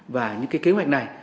và những kế hoạch này